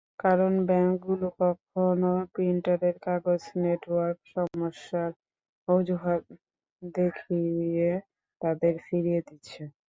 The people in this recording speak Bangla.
কারণ ব্যাংকগুলো কখনো প্রিন্টারের কাগজ, নেটওয়ার্ক সমস্যার অজুহাত দেখিয়ে তাঁদের ফিরিয়ে দিচ্ছে।